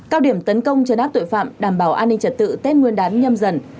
cao điểm tấn công cho nát tội phạm đảm bảo an ninh trật tự tết nguyên đán nhâm dần